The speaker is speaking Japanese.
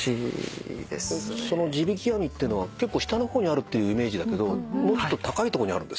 その地引き網ってのは結構下の方にあるイメージだけどもうちょっと高いとこにあるんですか？